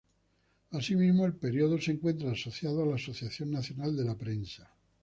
Asimismo, el periódico se encuentra asociado a la Asociación Nacional de la Prensa.